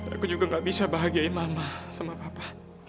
aku juga gak bisa bahagiain mama sama papa